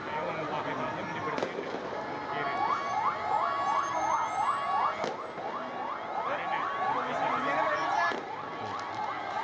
hingga beberapa pengunjuk rasa terlihat melarikan diri